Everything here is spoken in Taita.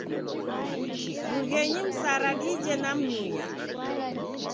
Rughenyi msara dije na mnyunya.